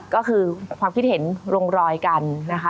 ก็คือความคิดเห็นลงรอยกันนะคะ